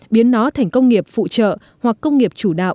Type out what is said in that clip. biến nó thành công nghiệp phụ trợ hoặc công nghiệp chủ đạo